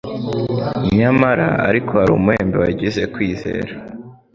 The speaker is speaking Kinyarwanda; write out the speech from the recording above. Nyamara ariko hari umubembe wagize kwizera;